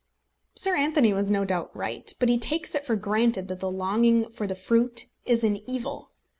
Sir Anthony was no doubt right. But he takes it for granted that the longing for the fruit is an evil.